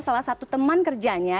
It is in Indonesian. salah satu teman kerjanya